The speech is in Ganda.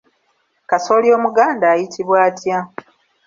Kasooli Omuganda ayitibwa atya?